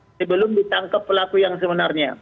sebelum ditangkap pelaku yang sebenarnya